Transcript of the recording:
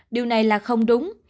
điều này là không đúng